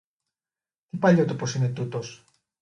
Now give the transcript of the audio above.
Τι παλιότοπος είναι τούτος!